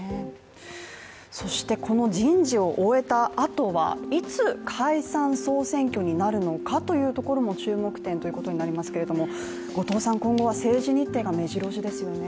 そしてこの人事を終えたあとはいつ解散総選挙になるのかというところも注目点ということになりますけれども後藤さん、今後は政治日程がめじろ押しですよね。